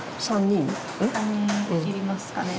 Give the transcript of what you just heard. ３人要りますかね。